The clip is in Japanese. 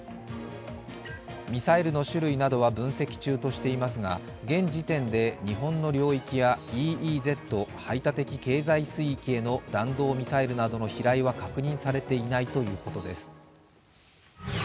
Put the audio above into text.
ミサイルの種類などは分析中としていますが現時点で日本の領域やＥＥＺ＝排他的経済水域への弾道ミサイルなどの飛来は確認されていないということです。